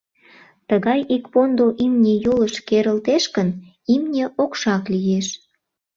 Тыгай ик пондо имне йолыш керылтеш гын, имне окшак лиеш.